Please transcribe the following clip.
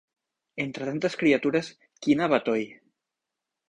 Entre tantes criatures, quin abatoll!